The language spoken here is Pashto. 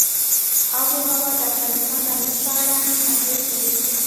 آب وهوا د افغانستان د امنیت په اړه هم اغېز لري.